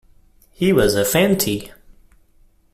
He was a Fanti.